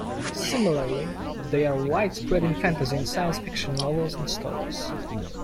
Similarly, they are widespread in fantasy and science fiction novels and stories.